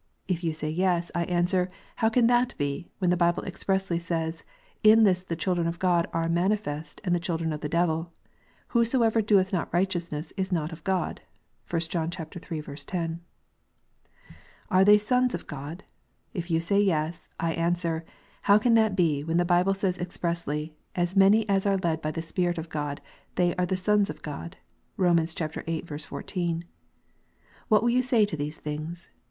If you say Yes, I answer, How can that be, when the Bible says expressly, " In this the children I of God are manifest and the children of the devil ; whosoever doeth not righteousness is not of God"? (1 John iii. 10.) Are they sons of God ? If you say Yes, I answer, How can that be, when the Bible says expressly, " As many as are led by the Spirit of God, they are the sons of God "? (Kom. viii. 14.) What will you say to these things?